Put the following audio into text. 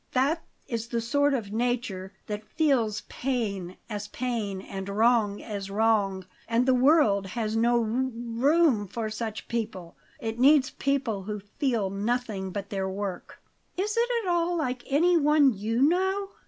Th th that is the sort of nature that feels pain as pain and wrong as wrong; and the world has no r r room for such people; it needs people who feel nothing but their work." "Is it at all like anyone you know?"